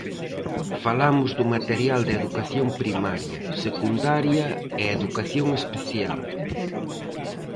Falamos do material de educación primaria, secundaria e educación especial.